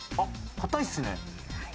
硬いですね。